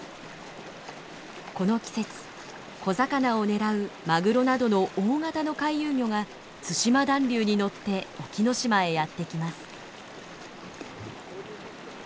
この季節小魚を狙うマグロなどの大型の回遊魚が対馬暖流に乗って沖ノ島へやって来ます。